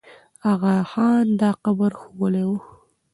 آغا خان دا قبر ښوولی وو.